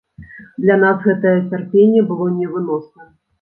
Для нас гэтае цярпенне было невыносным.